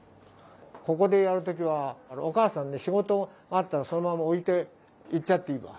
ここでやる時はお母さんね仕事あったらそのまま置いて行っちゃっていいわ。